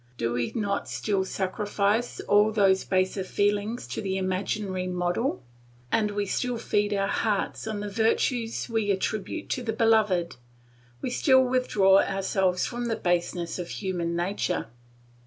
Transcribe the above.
do we not still sacrifice all those baser feelings to the imaginary model? and we still feed our hearts on the virtues we attribute to the beloved, we still withdraw ourselves from the baseness of human nature.